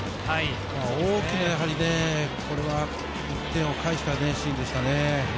大きな１点を返したシーンでしたね。